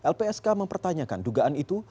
lpsk mempertanyakan dugaan itu